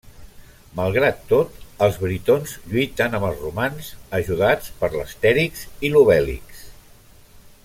Malgrat tot, els britons lluiten amb els romans, ajudats per l'Astèrix i l'Obèlix.